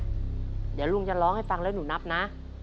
เดี๋ยวลุงจะร้องให้ฟังแล้วหนูนับนะ